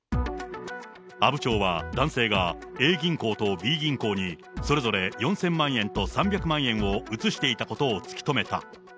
阿武町は、男性がＡ銀行とＢ銀行に、それぞれ４０００万円と３００万円を移していたことを突き止めた。